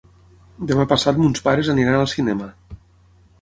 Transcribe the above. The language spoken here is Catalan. Demà passat mons pares aniran al cinema.